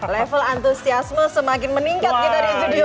level antusiasme semakin meningkat kita di studio ini ya